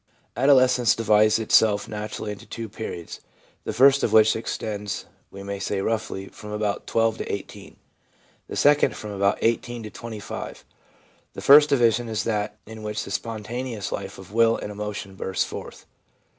Adolescence divides itself naturally into two periods, the first of which extends, we may say roughly, from about 12 to 18 ; the second from about 18 to 25. The first division is that in w r hich the spon taneous life of will and emotion bursts forth.